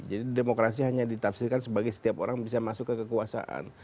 jadi demokrasi hanya ditafsirkan sebagai setiap orang bisa masuk ke kekuasaan